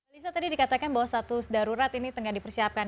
lisa tadi dikatakan bahwa status darurat ini tengah dipersiapkan